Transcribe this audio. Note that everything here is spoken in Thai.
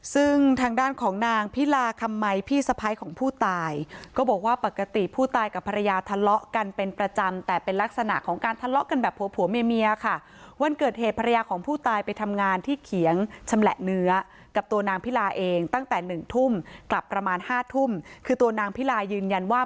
ซึ่งทางด้านของนางพิลาคำมัยพี่สะพ้ายของผู้ตายก็บอกว่าปกติผู้ตายกับภรรยาทะเลาะกันเป็นประจำแต่เป็นลักษณะของการทะเลาะกันแบบผัวผัวเมียค่ะวันเกิดเหตุภรรยาของผู้ตายไปทำงานที่เขียงชำแหละเนื้อกับตัวนางพิลาเองตั้งแต่หนึ่งทุ่มกลับประมาณ๕ทุ่มคือตัวนางพิลายืนยันว่า